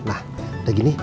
nah udah gini